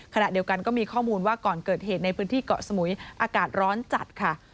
ขณะเดียวกันก็มีข้อมูลว่าก่อนเกิดเหตุในพื้นที่เกาะสมุยอากาศร้อนจัดค่ะ